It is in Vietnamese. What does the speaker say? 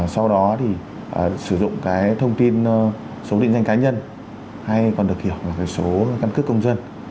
sau đó thì sử dụng cái thông tin số định danh cá nhân hay còn được hiểu là cái số căn cước công dân